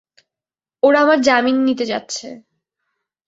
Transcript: ওরা আপনার জামিন নিতে যাচ্ছে।